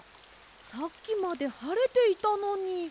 さっきまではれていたのに。